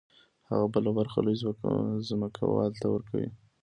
هغه بله برخه لوی ځمکوال ته ورکوي